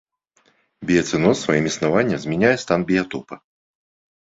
Біяцэноз сваім існаваннем змяняе стан біятопа.